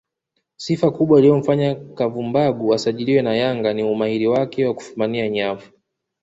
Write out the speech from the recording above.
Sifa kubwa iliyomfanya Kavumbagu asajiliwe na Yanga ni umahiri wake wa kufumania nyavu